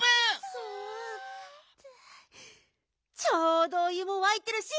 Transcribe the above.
ちょうどお湯もわいてるし